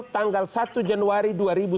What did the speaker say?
tanggal satu januari dua ribu sembilan belas